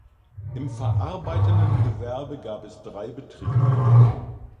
Im verarbeitenden Gewerbe gab es drei Betriebe.